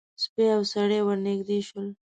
سپی او سړی ور نږدې شول.